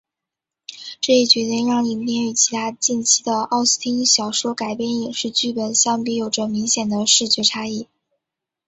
这一决定让影片与其他近期的奥斯汀小说改编影视剧本相比有着明显的视觉差异。